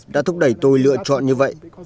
đã thúc đẩy tôi lựa chọn như vậy